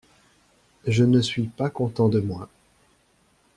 Je ne suis pas content de moi.